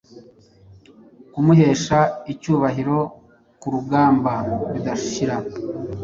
Kumuhesha icyubahiro kurugamba bidashira